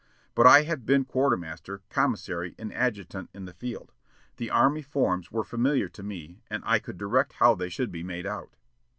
But I had been quartermaster, commissary, and adjutant in the field. The army forms were familiar to me, and I could direct how they should be made out."